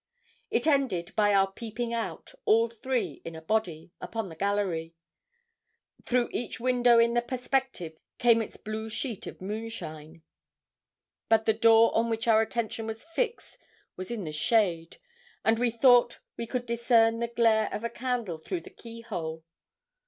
It ended by our peeping out, all three in a body, upon the gallery. Through each window in the perspective came its blue sheet of moonshine; but the door on which our attention was fixed was in the shade, and we thought we could discern the glare of a candle through the key hole.